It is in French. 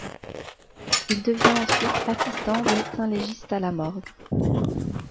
Il devient ensuite assistant médecin-légiste à la morgue.